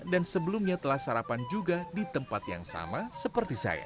dan sebelumnya telah sarapan juga di tempat yang sama seperti saya